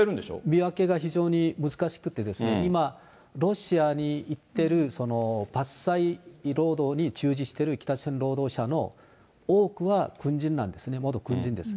見分けが非常に難しくて、今、ロシアに行ってる伐採労働に従事してる北朝鮮労働者の多くは、軍人なんですね、元軍人です。